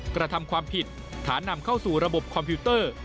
กระทำความผิดฐานนำเข้าสู่ระบบคอมพิวเตอร์